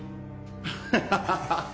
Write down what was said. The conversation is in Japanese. ハハハハ！